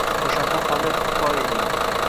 O‘shanda hali toy eding.